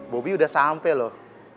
bobi udah sampe loh